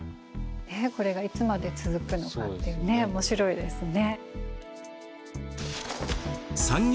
ねえこれがいつまで続くのかっていうね面白いですね。